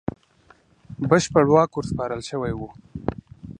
بشپړ واک ورسپارل شوی وو.